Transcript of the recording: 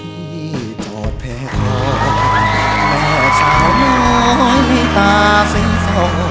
ที่จอดแพทย์แม่ชายน้อยไม่ตาซึ้งส่อ